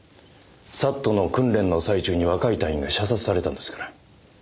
ＳＡＴの訓練の最中に若い隊員が射殺されたんですから。